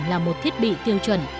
là một thiết bị tiêu chuẩn